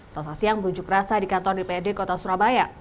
selesai siang bunjuk rasa di kantor di pad kota surabaya